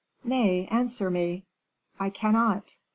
Nay, answer me." "I cannot."